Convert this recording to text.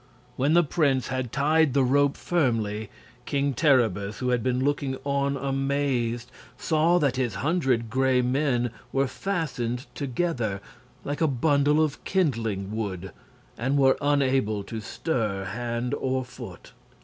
When the prince had tied the rope firmly King Terribus, who had been looking on amazed, saw that his hundred Gray Men were fastened together like a bundle of kindling wood, and were unable to stir hand or foot.